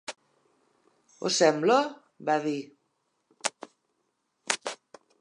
"Ho semblo?", va dir.